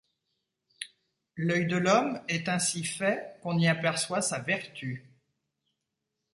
L’œil de l’homme est ainsi fait qu’on y aperçoit sa vertu.